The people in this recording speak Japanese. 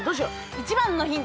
１番のヒント